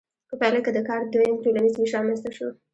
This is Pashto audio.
په پایله کې د کار دویم ټولنیز ویش رامنځته شو.